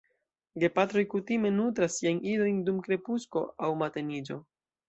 Gepatroj kutime nutras siajn idojn dum krepusko aŭ mateniĝo.